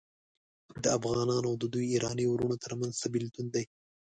د افغانانو او د دوی ایراني وروڼو ترمنځ څه بیلتون دی.